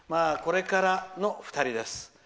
これからの２人です。